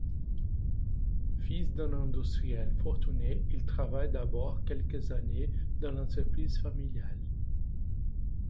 Fils d’un industriel fortuné, il travaille d’abord quelques années dans l’entreprise familiale.